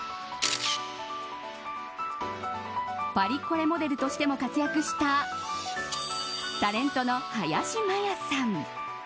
パリコレモデルとしても活躍したタレントの林マヤさん。